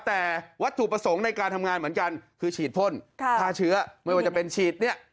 แต่วัตถุประสงค์ในการทำงานเหมือนกันคือฉีดพ่นฆ่าเชื้อไม่ว่าจะเป็นฉีดเนี่ย